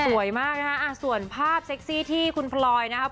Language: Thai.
สวยมากนะฮะส่วนภาพเซ็กซี่ที่คุณพลอยนะครับ